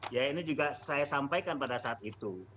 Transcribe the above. ya ini juga saya sampaikan pada saat itu